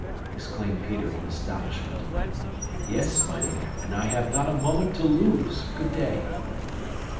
exclaimed Peter in astonishment. "Yes, mynheer, and I have not a moment to lose. Good day!"